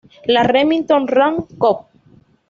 La Remington Rand Co.